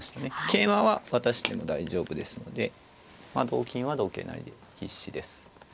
桂馬は渡しても大丈夫ですので同金は同桂成で必至です。